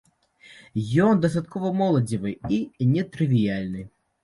Ён дастаткова моладзевы і нетрывіяльны.